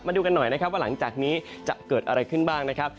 ดูกันหน่อยนะครับว่าหลังจากนี้จะเกิดอะไรขึ้นบ้างนะครับ